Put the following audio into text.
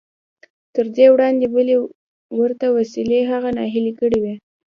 تر دې وړاندې بلې ورته وسیلې هغه ناهیلی کړی و